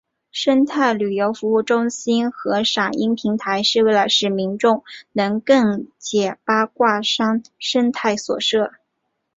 生态旅游服务中心和赏鹰平台是为了使民众能更解八卦山生态所设。